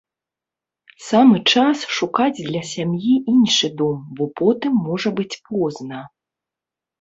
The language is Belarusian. Самы час шукаць для сям'і іншы дом, бо потым можа быць позна.